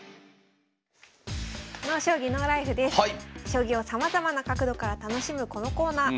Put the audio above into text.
将棋をさまざまな角度から楽しむこのコーナー。